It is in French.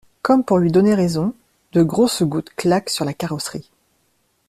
Comme pour lui donner raison, de grosses gouttes claquent sur la carrosserie.